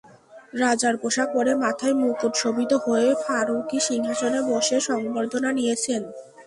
রাজার পোশাক পরে, মাথায় মুকুটশোভিত হয়ে ফারুকী সিংহাসনে বসে সংবর্ধনা নিয়েছেন।